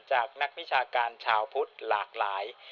จากนักวิชาการชาวพุทธหลากหลาย